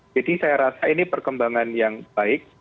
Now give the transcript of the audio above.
jadi saya rasa ini perkembangan yang baik